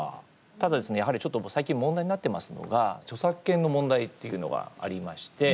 ただですね、やはりちょっと最近、問題になってますのが著作権の問題っていうのがありまして。